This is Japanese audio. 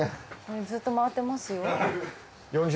ずっと回ってますよ。